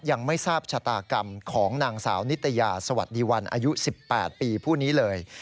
ยังไม่ทราบชะตากรรมของนางสาวนิตยาสวัสดีวันอายุ๑๘ปีผู้นี้เลย